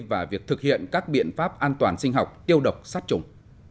và việc thực hiện các biện pháp an toàn sinh học tiêu độc sát trùng